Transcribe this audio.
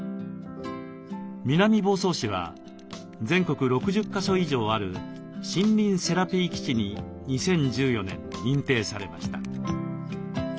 南房総市は全国６０か所以上ある「森林セラピー基地」に２０１４年認定されました。